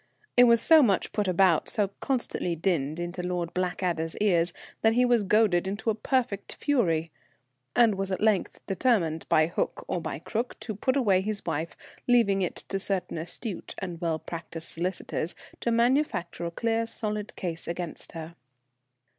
It was so much put about, so constantly dinned into Lord Blackadder's ears, that he was goaded into a perfect fury, and was at length determined, by hook or by crook, to put away his wife, leaving it to certain astute and well practised solicitors to manufacture a clear, solid case against her.